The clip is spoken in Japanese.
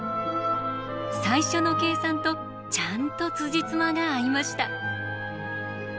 最初の計算とちゃんとつじつまが合いました。